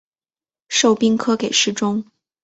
授兵科给事中。